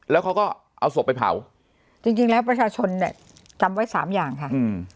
แล้วเขาก็เอาศพไปเผาจริงจริงแล้วประชาชนเนี่ยจำไว้สามอย่างค่ะอืม